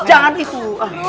jangan abis dulu